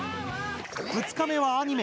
２日目はアニメ。